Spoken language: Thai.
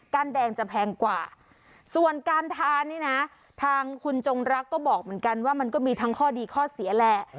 แดงจะแพงกว่าส่วนการทานนี่นะทางคุณจงรักก็บอกเหมือนกันว่ามันก็มีทั้งข้อดีข้อเสียแหละ